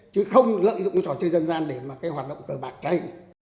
chứ không lợi dụng cái trò chơi dân gian để mà cái hoạt động cơ bản cháy